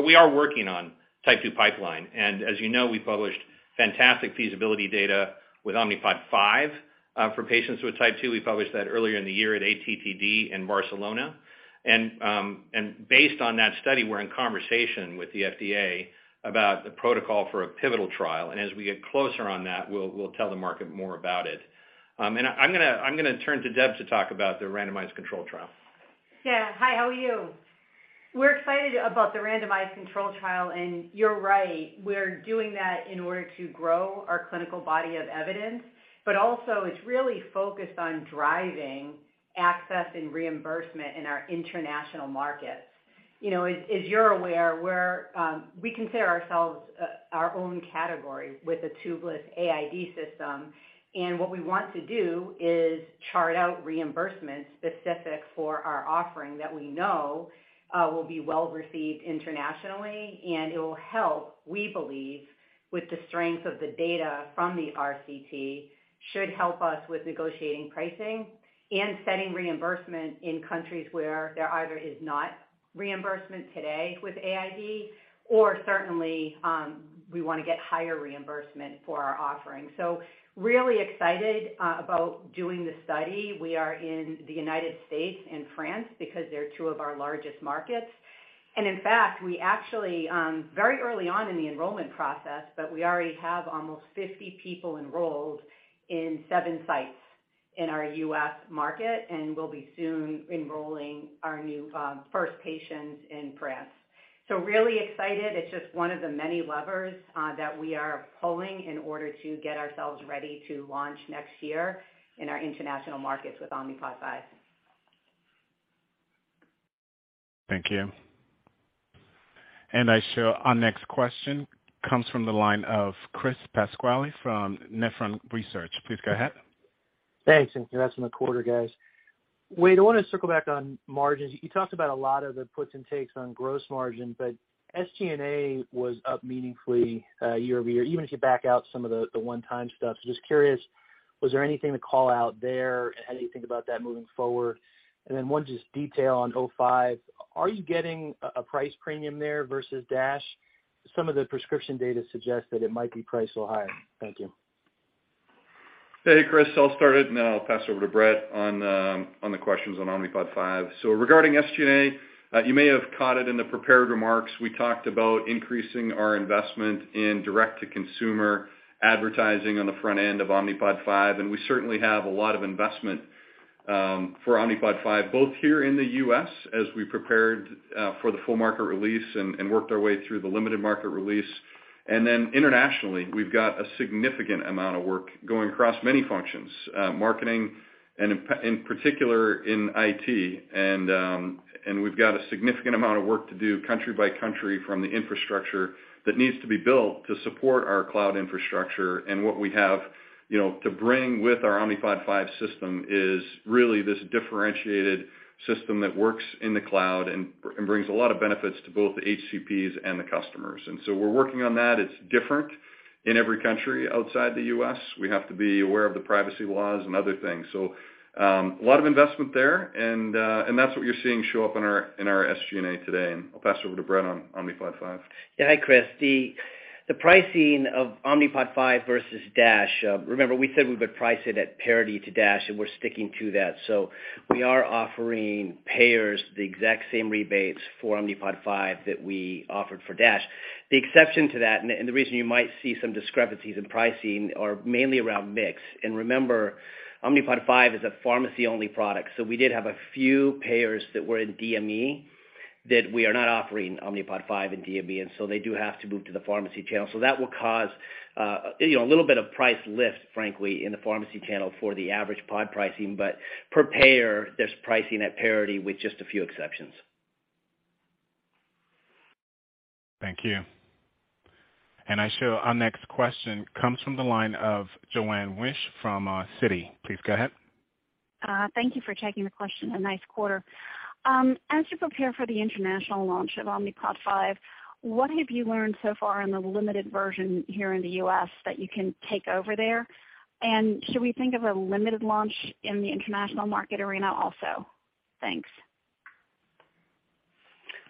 We are working on type 2 pipeline. As you know, we published fantastic feasibility data with Omnipod 5 for patients with type 2. We published that earlier in the year at ATTD in Barcelona. Based on that study, we're in conversation with the FDA about the protocol for a pivotal trial. As we get closer on that, we'll tell the market more about it. I'm gonna turn to Deb to talk about the randomized controlled trial. Yeah. Hi, how are you? We're excited about the randomized controlled trial. You're right, we're doing that in order to grow our clinical body of evidence. It's really focused on driving access and reimbursement in our international markets. You know, as you're aware, we consider ourselves our own category with a tubeless AID system. What we want to do is chart out reimbursement specific for our offering that we know will be well received internationally, and it will help, we believe, with the strength of the data from the RCT, should help us with negotiating pricing and setting reimbursement in countries where there either is not reimbursement today with AID or certainly we wanna get higher reimbursement for our offerings. Really excited about doing the study. We are in the United States and France because they're two of our largest markets. In fact, we actually very early on in the enrollment process, but we already have almost 50 people enrolled in seven sites in our U.S. market, and we'll be soon enrolling our new, first patients in France. Really excited. It's just one of the many levers that we are pulling in order to get ourselves ready to launch next year in our international markets with Omnipod 5. Thank you. I show our next question comes from the line of Chris Pasquale from Nephron Research. Please go ahead. Thanks. Congrats on the quarter, guys. Wayde, I wanna circle back on margins. You talked about a lot of the puts and takes on gross margin, but SG&A was up meaningfully year-over-year, even as you back out some of the one-time stuff. Just curious, was there anything to call out there? How do you think about that moving forward? Then one just detail on Omnipod 5. Are you getting a price premium there versus DASH? Some of the prescription data suggests that it might be priced a little higher. Thank you. Hey, Chris, I'll start it and then I'll pass it over to Bret on the questions on Omnipod 5. Regarding SG&A, you may have caught it in the prepared remarks. We talked about increasing our investment in direct to consumer advertising on the front end of Omnipod 5, and we certainly have a lot of investment for Omnipod 5, both here in the U.S. as we prepared for the full market release and worked our way through the limited market release. Internationally, we've got a significant amount of work going across many functions, marketing and in particular in IT. We've got a significant amount of work to do country by country from the infrastructure that needs to be built to support our cloud infrastructure. What we have, you know, to bring with our Omnipod 5 system is really this differentiated system that works in the cloud and brings a lot of benefits to both the HCPs and the customers. We're working on that. It's different in every country outside the U.S. We have to be aware of the privacy laws and other things. A lot of investment there. That's what you're seeing show up in our SG&A today. I'll pass it over to Bret on Omnipod 5. Yeah. Hi, Chris. The pricing of Omnipod 5 versus DASH, remember we said we would price it at parity to DASH, and we're sticking to that. We are offering payers the exact same rebates for Omnipod 5 that we offered for DASH. The exception to that, and the reason you might see some discrepancies in pricing are mainly around mix. Remember, Omnipod 5 is a pharmacy-only product, so we did have a few payers that were in DME that we are not offering Omnipod 5 in DME, and so they do have to move to the pharmacy channel. That will cause, you know, a little bit of price lift, frankly, in the pharmacy channel for the average pod pricing. Per payer, there's pricing at parity with just a few exceptions. Thank you. I show our next question comes from the line of Joanne Wuensch from Citi. Please go ahead. Thank you for taking the question. A nice quarter. As you prepare for the international launch of Omnipod 5, what have you learned so far in the limited version here in the U.S. that you can take over there? Should we think of a limited launch in the international market arena also? Thanks.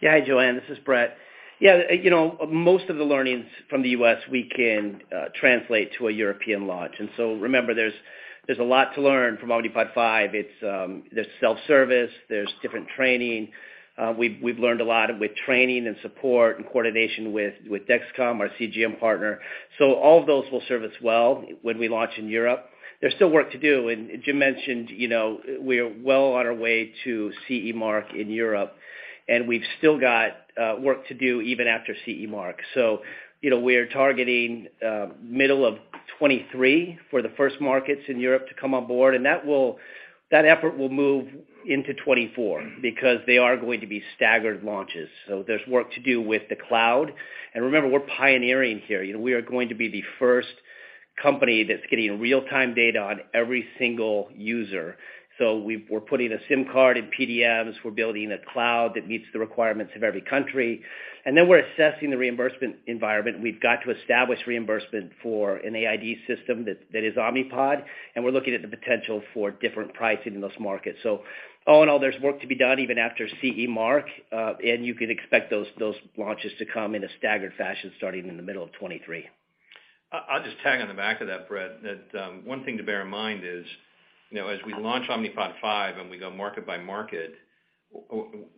Yeah. Hi, Joanne, this is Bret. Yeah, you know, most of the learnings from the U.S. we can translate to a European launch. Remember, there's a lot to learn from Omnipod 5. It's self-service, there's different training. We've learned a lot with training and support and coordination with Dexcom, our CGM partner. So all of those will serve us well when we launch in Europe. There's still work to do. Jim mentioned, you know, we are well on our way to CE mark in Europe, and we've still got work to do even after CE mark. You know, we are targeting middle of 2023 for the first markets in Europe to come on board, and that effort will move into 2024 because they are going to be staggered launches. There's work to do with the cloud. Remember, we're pioneering here. You know, we are going to be the first company that's getting real-time data on every single user. We're putting a SIM card in PDMs. We're building a cloud that meets the requirements of every country. Then we're assessing the reimbursement environment. We've got to establish reimbursement for an AID system that is Omnipod, and we're looking at the potential for different pricing in those markets. All in all, there's work to be done even after CE mark. You can expect those launches to come in a staggered fashion starting in the middle of 2023. I'll just tag on the back of that, Bret. That one thing to bear in mind is, you know, as we launch Omnipod 5 and we go market by market,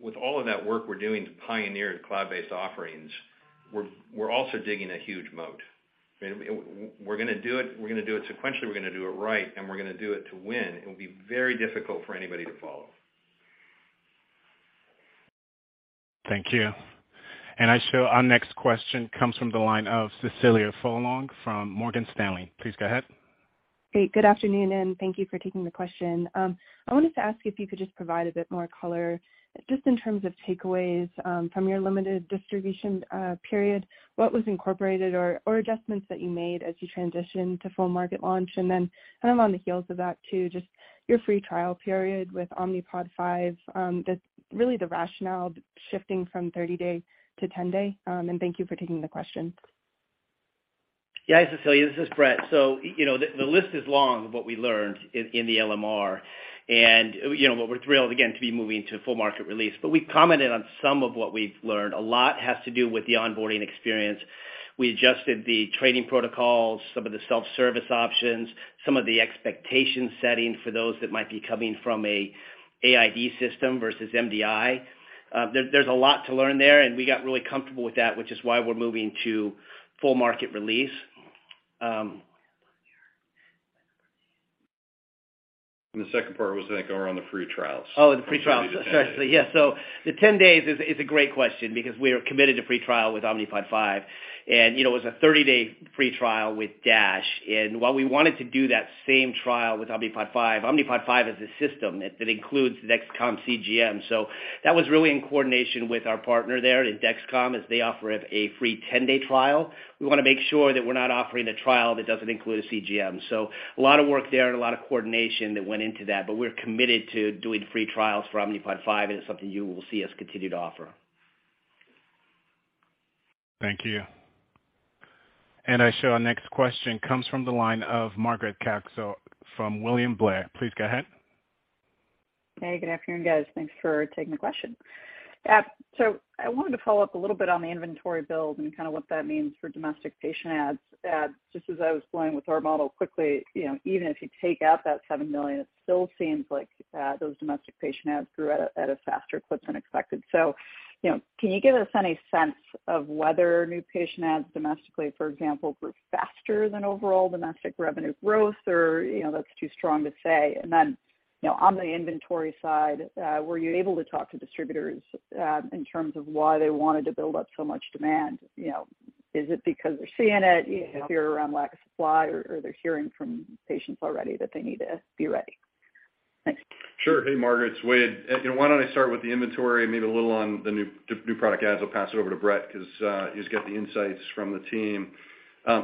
with all of that work we're doing to pioneer the cloud-based offerings, we're also digging a huge moat. We're gonna do it, we're gonna do it sequentially, we're gonna do it right, and we're gonna do it to win. It will be very difficult for anybody to follow. Thank you. I show our next question comes from the line of Cecilia Furlong from Morgan Stanley. Please go ahead. Hey, good afternoon, and thank you for taking the question. I wanted to ask if you could just provide a bit more color, just in terms of takeaways, from your limited distribution period, what was incorporated or adjustments that you made as you transitioned to full market launch? Then kind of on the heels of that, too, just your free trial period with Omnipod 5, just really the rationale shifting from 30-day to 10-day. Thank you for taking the question. Yeah. Cecilia, this is Bret. You know, the list is long of what we learned in the LMR and, you know, what we're thrilled again to be moving to full market release. We've commented on some of what we've learned. A lot has to do with the onboarding experience. We adjusted the training protocols, some of the self-service options, some of the expectation setting for those that might be coming from a AID system versus MDI. There's a lot to learn there, and we got really comfortable with that, which is why we're moving to full market release. The second part was, I think, around the free trials. Oh, the free trials. Yeah. The 10 days is a great question because we are committed to free trial with Omnipod 5, and, you know, it was a 30-day free trial with Dash. While we wanted to do that same trial with Omnipod 5, Omnipod 5 is a system that includes Dexcom CGM. That was really in coordination with our partner there at Dexcom, as they offer up a free 10-day trial. We want to make sure that we're not offering a trial that doesn't include a CGM. A lot of work there and a lot of coordination that went into that, but we're committed to doing free trials for Omnipod 5, and it's something you will see us continue to offer. Thank you. Now our next question comes from the line of Margaret Kaczor from William Blair. Please go ahead. Hey, good afternoon, guys. Thanks for taking the question. I wanted to follow up a little bit on the inventory build and kind of what that means for domestic patient adds. Just as I was playing with our model quickly, you know, even if you take out that $7 million, it still seems like those domestic patient adds grew at a faster clip than expected. You know, can you give us any sense of whether new patient adds domestically, for example, grew faster than overall domestic revenue growth? Or, you know, that's too strong to say. You know, on the inventory side, were you able to talk to distributors in terms of why they wanted to build up so much demand? You know, is it because they're seeing it, fear around lack of supply, or they're hearing from patients already that they need to be ready? Thanks. Sure. Hey, Margaret, it's Wayde. You know, why don't I start with the inventory, maybe a little on the new product adds. I'll pass it over to Bret because he's got the insights from the team.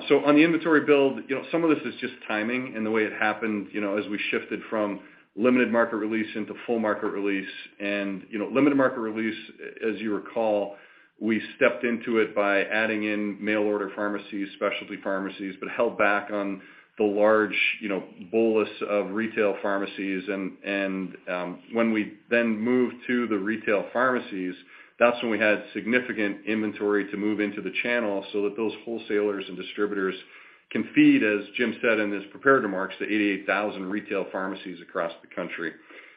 So on the inventory build, you know, some of this is just timing and the way it happened, you know, as we shifted from limited market release into full market release. You know, limited market release, as you recall, we stepped into it by adding in mail order pharmacies, specialty pharmacies, but held back on the large, you know, bolus of retail pharmacies. When we then moved to the retail pharmacies, that's when we had significant inventory to move into the channel so that those wholesalers and distributors can feed, as Jim said in his prepared remarks, the 88,000 retail pharmacies across the country.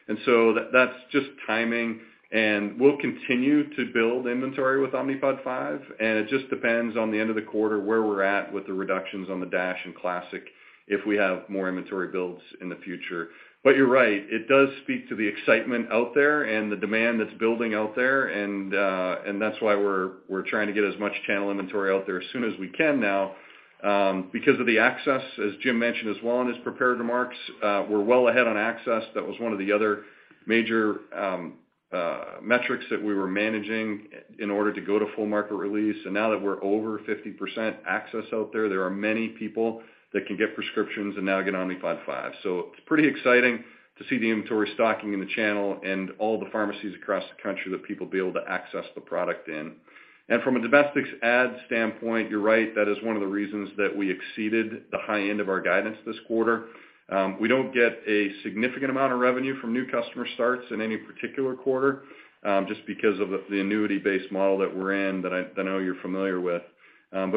That's just timing. We'll continue to build inventory with Omnipod 5, and it just depends on the end of the quarter where we're at with the reductions on the DASH and Classic if we have more inventory builds in the future. You're right, it does speak to the excitement out there and the demand that's building out there. That's why we're trying to get as much channel inventory out there as soon as we can now, because of the access, as Jim mentioned as well in his prepared remarks. We're well ahead on access. That was one of the other major metrics that we were managing in order to go to full market release. Now that we're over 50% access out there are many people that can get prescriptions and now get Omnipod 5. It's pretty exciting to see the inventory stocking in the channel and all the pharmacies across the country that people will be able to access the product in. From a domestic add standpoint, you're right, that is one of the reasons that we exceeded the high end of our guidance this quarter. We don't get a significant amount of revenue from new customer starts in any particular quarter, just because of the annuity-based model that we're in that I know you're familiar with.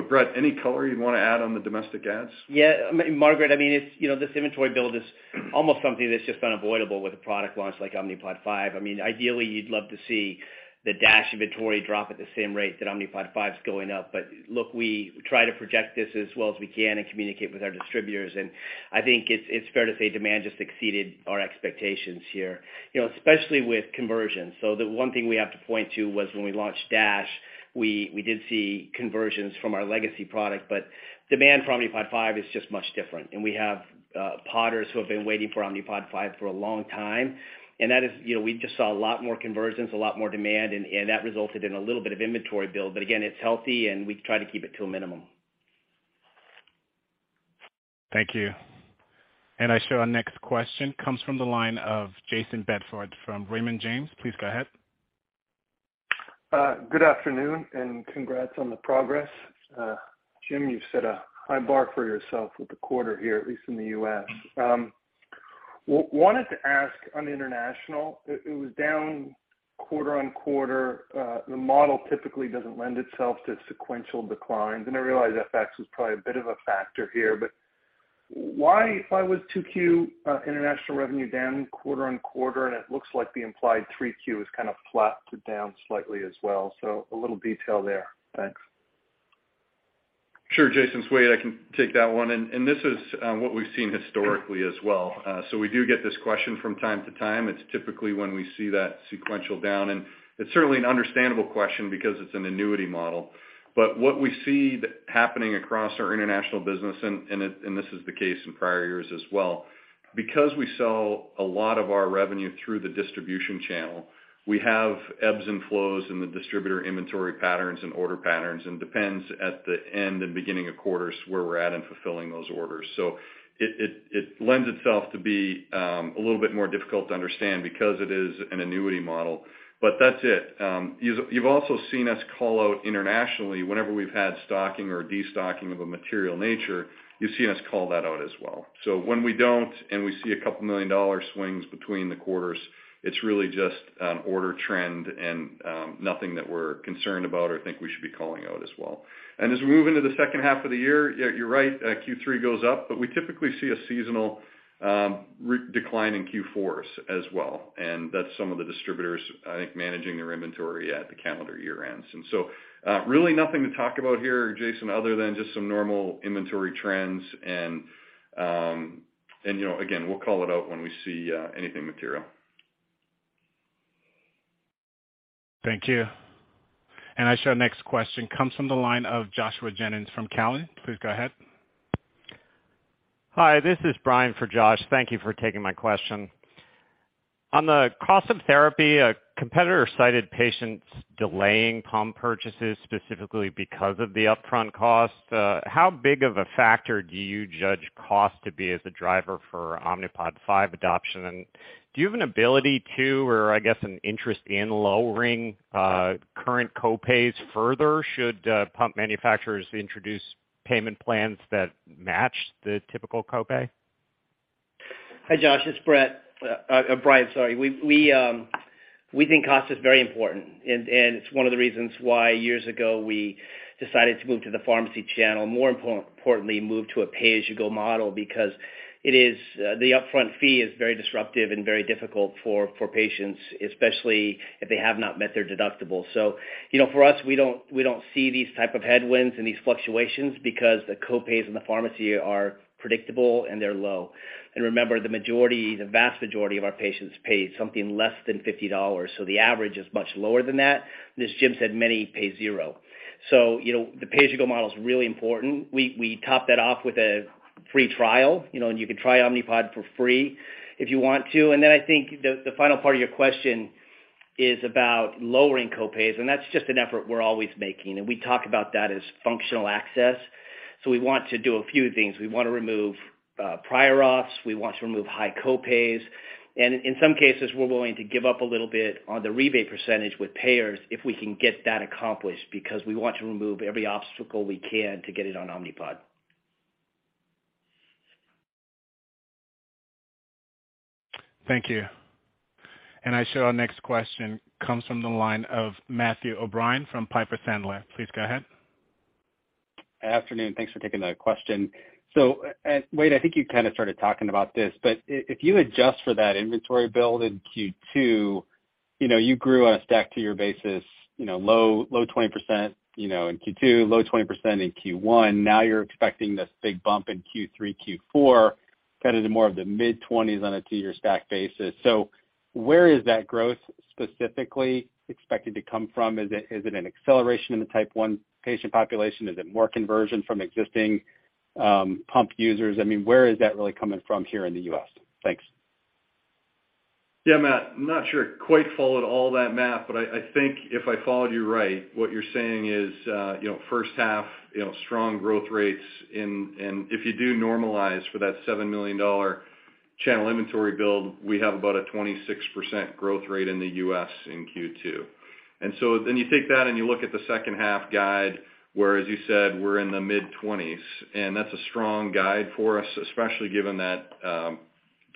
Bret, any color you'd wanna add on the domestic add? Yeah, Margaret, I mean, it's, you know, this inventory build is almost something that's just unavoidable with a product launch like Omnipod 5. I mean, ideally, you'd love to see the Dash inventory drop at the same rate that Omnipod 5 is going up. Look, we try to project this as well as we can and communicate with our distributors, and I think it's fair to say demand just exceeded our expectations here, you know, especially with conversions. The one thing we have to point to was when we launched Dash, we did see conversions from our legacy product, but demand for Omnipod 5 is just much different. We have Podders who have been waiting for Omnipod 5 for a long time, and that is, you know, we just saw a lot more conversions, a lot more demand, and that resulted in a little bit of inventory build. But again, it's healthy, and we try to keep it to a minimum. Thank you. Our next question comes from the line of Jayson Bedford from Raymond James. Please go ahead. Good afternoon and congrats on the progress. Jim, you've set a high bar for yourself with the quarter here, at least in the U.S. Wanted to ask on international, it was down quarter-over-quarter. The model typically doesn't lend itself to sequential declines. I realize FX was probably a bit of a factor here, but why was 2Q international revenue down quarter-over-quarter? It looks like the implied 3Q is kind of flat to down slightly as well. A little detail there. Thanks. Sure, Jayson. It's Wayde. I can take that one. This is what we've seen historically as well. We do get this question from time to time. It's typically when we see that sequential down, and it's certainly an understandable question because it's an annuity model. What we see happening across our international business, and this is the case in prior years as well, because we sell a lot of our revenue through the distribution channel, we have ebbs and flows in the distributor inventory patterns and order patterns and it depends at the end and beginning of quarters where we're at in fulfilling those orders. It lends itself to be a little bit more difficult to understand because it is an annuity model, but that's it. You've also seen us call out internationally whenever we've had stocking or destocking of a material nature. You've seen us call that out as well. When we don't and we see a couple $2 million swings between the quarters, it's really just an order trend and nothing that we're concerned about or think we should be calling out as well. As we move into the second half of the year, yeah, you're right, Q3 goes up, but we typically see a seasonal decline in Q4s as well. That's some of the distributors, I think, managing their inventory at the calendar year ends. Really nothing to talk about here, Jayson, other than just some normal inventory trends. You know, again, we'll call it out when we see anything material. Thank you. I show our next question comes from the line of Joshua Jennings from Cowen. Please go ahead. Hi, this is Brian for Josh. Thank you for taking my question. On the cost of therapy, a competitor cited patients delaying pump purchases, specifically because of the upfront cost. How big of a factor do you judge cost to be as a driver for Omnipod 5 adoption? Do you have an ability to, or I guess an interest in lowering current copays further should pump manufacturers introduce payment plans that match the typical copay? Hi, Josh, it's Bret. Brian, sorry. We think cost is very important and it's one of the reasons why years ago we decided to move to the pharmacy channel, more importantly, move to a pay-as-you-go model because it is the upfront fee is very disruptive and very difficult for patients, especially if they have not met their deductible. You know, for us, we don't see these type of headwinds and these fluctuations because the copays in the pharmacy are predictable and they're low. Remember, the majority, the vast majority of our patients pay something less than $50. The average is much lower than that, and as Jim said, many pay $0. You know, the pay-as-you-go model is really important. We top that off with a free trial, you know, and you can try Omnipod for free if you want to. Then I think the final part of your question is about lowering copays, and that's just an effort we're always making, and we talk about that as functional access. We want to do a few things. We wanna remove prior auths, we want to remove high copays, and in some cases, we're willing to give up a little bit on the rebate percentage with payers if we can get that accomplished because we want to remove every obstacle we can to get it on Omnipod. Thank you. I show our next question comes from the line of Matthew O'Brien from Piper Sandler. Please go ahead. Afternoon. Thanks for taking the question. Wade, I think you kind of started talking about this, but if you adjust for that inventory build in Q2, you know, you grew on a stacked two-year basis, you know, low 20%, you know, in Q2, low 20% in Q1. Now you're expecting this big bump in Q3, Q4, kind of the more of the mid-20s on a two-year stack basis. Where is that growth specifically expected to come from? Is it an acceleration in the type 1 patient population? Is it more conversion from existing pump users? I mean, where is that really coming from here in the U.S.? Thanks. Yeah, Matt, I'm not sure I quite followed all that math, but I think if I followed you right, what you're saying is, you know, first half, you know, strong growth rates and if you do normalize for that $7 million channel inventory build, we have about a 26% growth rate in the U.S. in Q2. You take that, and you look at the second half guide, where, as you said, we're in the mid-20s%, and that's a strong guide for us, especially given that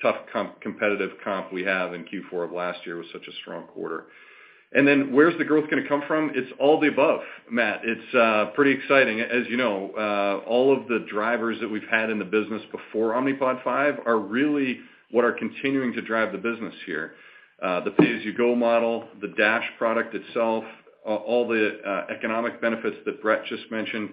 tough competitive comp we have in Q4 of last year was such a strong quarter. Where's the growth gonna come from? It's all the above, Matt. It's pretty exciting. As you know, all of the drivers that we've had in the business before Omnipod 5 are really what are continuing to drive the business here. The pay-as-you-go model, the Dash product itself, all the economic benefits that Bret just mentioned,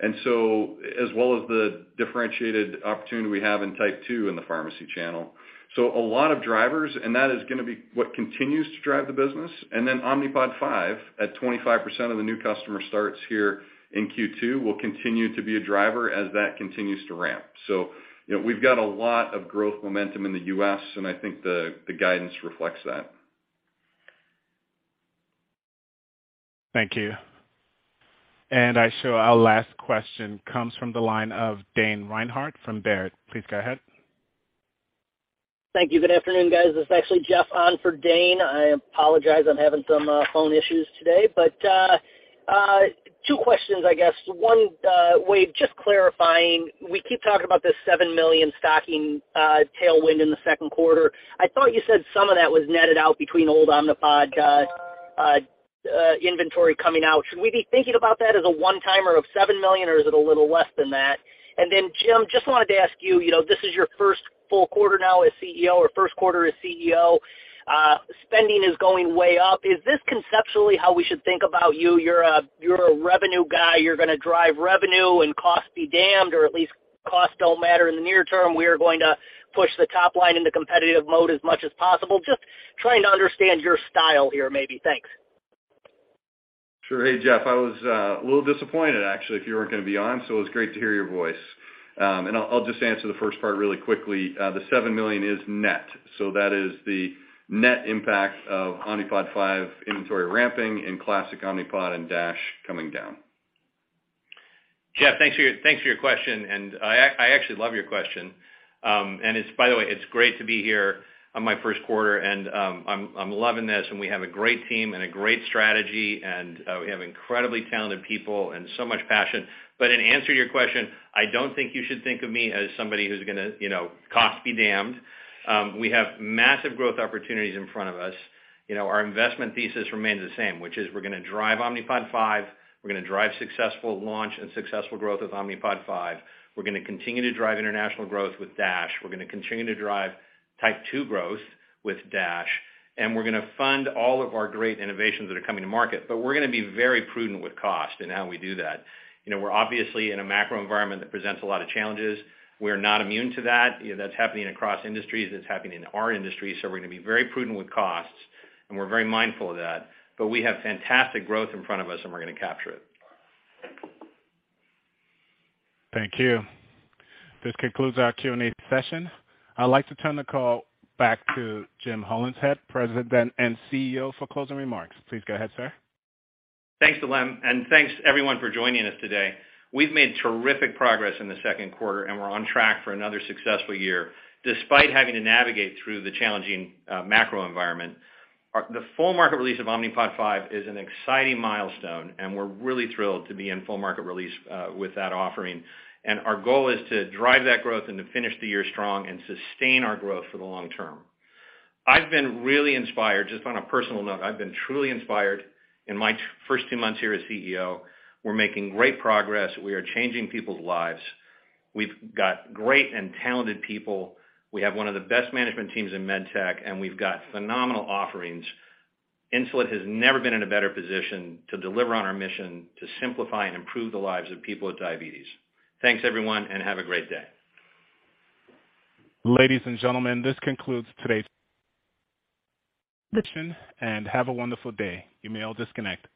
and so as well as the differentiated opportunity we have in type two in the pharmacy channel. A lot of drivers, and that is gonna be what continues to drive the business. Omnipod 5 at 25% of the new customer starts here in Q2 will continue to be a driver as that continues to ramp. You know, we've got a lot of growth momentum in the US, and I think the guidance reflects that. Thank you. I show our last question comes from the line of Dane Leone from Baird. Please go ahead. Thank you. Good afternoon, guys. This is actually Jeff on for Dane. I apologize. I'm having some phone issues today. Two questions, I guess. One, Wayde, just clarifying, we keep talking about this $7 million stocking tailwind in the second quarter. I thought you said some of that was netted out between old Omnipod inventory coming out. Should we be thinking about that as a one-timer of $7 million, or is it a little less than that? Jim, just wanted to ask you know, this is your first full quarter now as CEO or first quarter as CEO. Spending is going way up. Is this conceptually how we should think about you? You're a revenue guy. You're gonna drive revenue and cost be damned, or at least cost don't matter in the near term. We are going to push the top line in the competitive mode as much as possible. Just trying to understand your style here, maybe. Thanks. Sure. Hey, Jeff, I was a little disappointed actually, if you weren't gonna be on, so it's great to hear your voice. I'll just answer the first part really quickly. The $7 million is net, so that is the net impact of Omnipod 5 inventory ramping and Classic Omnipod and DASH coming down. Jeff, thanks for your question. I actually love your question. By the way, it's great to be here on my first quarter. I'm loving this, and we have a great team and a great strategy. We have incredibly talented people and so much passion. In answer to your question, I don't think you should think of me as somebody who's gonna, you know, cost be damned. We have massive growth opportunities in front of us. You know, our investment thesis remains the same, which is we're gonna drive Omnipod 5. We're gonna drive successful launch and successful growth with Omnipod 5. We're gonna continue to drive international growth with Dash. We're gonna continue to drive type 2 growth with Dash, and we're gonna fund all of our great innovations that are coming to market. We're gonna be very prudent with cost and how we do that. You know, we're obviously in a macro environment that presents a lot of challenges. We're not immune to that. You know, that's happening across industries. That's happening in our industry, so we're gonna be very prudent with costs, and we're very mindful of that. We have fantastic growth in front of us, and we're gonna capture it. Thank you. This concludes our Q&A session. I'd like to turn the call back to Jim Hollingshead, President and CEO, for closing remarks. Please go ahead, sir. Thanks, Danielle, and thanks to everyone for joining us today. We've made terrific progress in the second quarter, and we're on track for another successful year, despite having to navigate through the challenging macro environment. The full market release of Omnipod 5 is an exciting milestone, and we're really thrilled to be in full market release with that offering. Our goal is to drive that growth and to finish the year strong and sustain our growth for the long term. I've been really inspired. Just on a personal note, I've been truly inspired in my first two months here as CEO. We're making great progress. We are changing people's lives. We've got great and talented people. We have one of the best management teams in med tech, and we've got phenomenal offerings. Insulet has never been in a better position to deliver on our mission to simplify and improve the lives of people with diabetes. Thanks, everyone, and have a great day. Ladies and gentlemen, this concludes today's and have a wonderful day. You may all disconnect.